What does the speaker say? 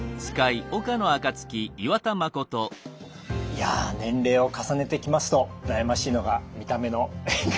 いや年齢を重ねてきますと悩ましいのが見た目の変化ですね。